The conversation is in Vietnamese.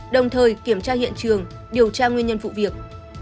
đồng thời kiểm tra hiện trường điều tra nguyên nhân vụ việc